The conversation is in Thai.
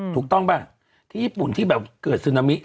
ถูกต้องป่ะที่ญี่ปุ่นที่แบบเกิดซึนามิ